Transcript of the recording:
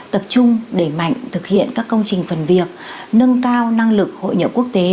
thực hiện các công trình phần việc nâng cao năng lực hội nhập quốc tế